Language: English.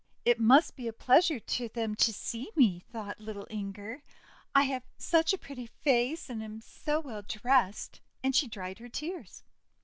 'It must be a pleasure to them to see me," thought little Inger, '"I have such a pretty face, and am so well dressed." And she dried her tears.